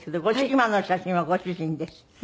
今の写真はご主人です。